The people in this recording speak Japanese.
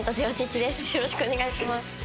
よろしくお願いします。